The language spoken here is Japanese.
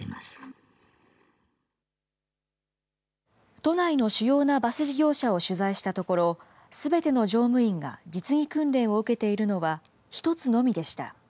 都内の主要なバス事業者を取材したところ、すべての乗務員が実技訓練を受けているのは１つのみでした。